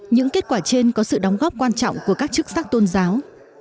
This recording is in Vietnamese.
những kết quả trên có sự đóng góp quan trọng của các chức sắc tôn giáo